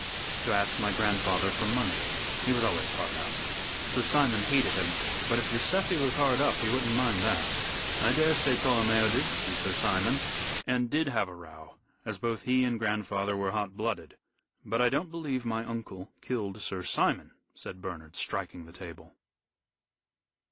"To ask my grandfather for money. He was always hard up. Sir Simon hated him, but if Guiseppe was hard up he wouldn't mind that. I daresay Tolomeo did see Sir Simon, and did have a row, as both he and grandfather were hot blooded. But I don't believe my uncle killed Sir Simon," said Bernard, striking the table.